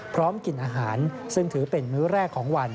พร้อมกินอาหารซึ่งถือเป็นมื้อแรกของวัน